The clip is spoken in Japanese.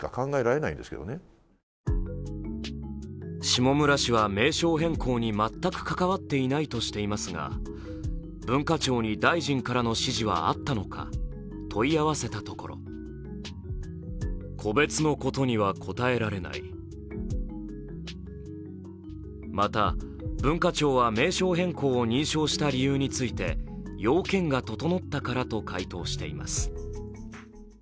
下村氏は名称変更に全く関わっていないとしていますが文化庁に大臣からの指示はあったのか問い合わせたところまた文化庁は名称変更を認証した理由について要件が整ったからと回答しています。